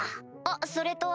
あっそれと。